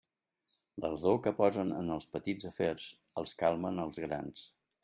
L'ardor que posen en els petits afers els calma en els grans.